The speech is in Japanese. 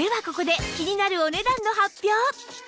ここで気になるお値段の発表！